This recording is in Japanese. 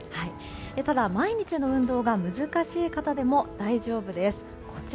ただ、毎日の運動が難しい方でも大丈夫です。